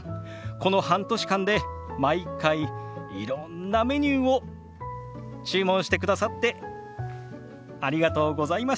この半年間で毎回いろんなメニューを注文してくださってありがとうございます。